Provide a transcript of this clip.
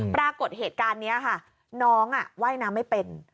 ปรากฏเหตุการณ์นี้ค่ะน้องว่ายน้ำไม่เป็น